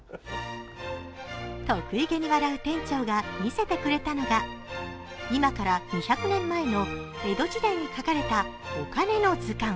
得意気に笑う店長が見せてくれたのが今から２００年前の江戸時代に書かれたお金の図鑑。